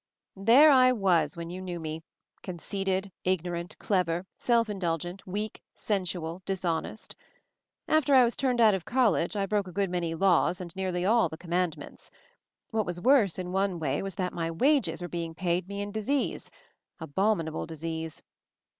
"There I was when you knew me — conceited, ignorant, clever, self indulgent, weak, sensual, dishonest. After I was turned out of college I broke a good many laws and nearly all the command ments. What was worse, in one way, was that my 'wages' were being paid me in dis ease — abominable disease.